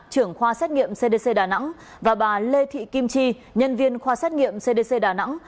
trưởng khoa xét nghiệm cdc đà nẵng và bà lê thị kim chi nhân viên khoa xét nghiệm cdc đà nẵng